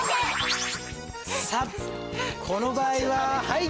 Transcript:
さあこの場合ははい。